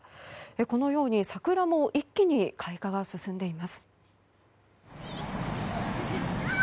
このように桜も一気に開花が進んでいます。